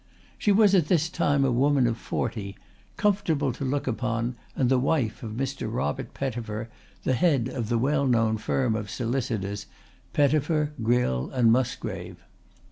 She was at this time a woman of forty, comfortable to look upon and the wife of Mr. Robert Pettifer, the head of the well known firm of solicitors, Pettifer, Gryll and Musgrave.